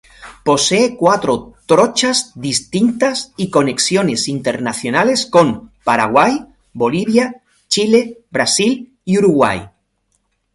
Posee cuatro trochas distintas y conexiones internacionales con Paraguay, Bolivia, Chile, Brasil y Uruguay.